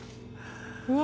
うわ。